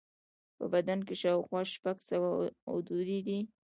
په بدن کې شاوخوا شپږ سوه غدودي دي.